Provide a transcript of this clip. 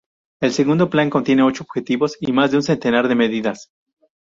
El segundo plan contiene ocho objetivos y más de un centenar de medidas.